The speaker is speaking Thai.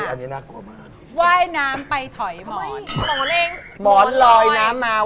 อันนี้น่ากลัวมาก